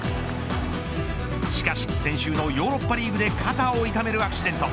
しかし先週のヨーロッパリーグで肩を痛めるアクシデント。